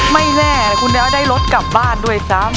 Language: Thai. ไม่แน่คุณจะเอาได้รถกลับบ้านด้วยซ้ำ